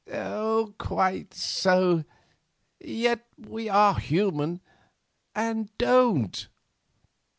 "Quite so, yet we are human, and don't.